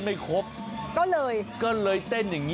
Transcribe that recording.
สบัดข่าวเด็ก